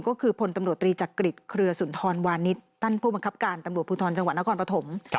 ก็คือพลตำรวจตรีจักริจเครือสุนทรวานิสท่านผู้บังคับการตำรวจภูทรจังหวัดนครปฐม